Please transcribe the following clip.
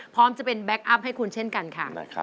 พร้อมจะเป็นแก๊คอัพให้คุณเช่นกันค่ะ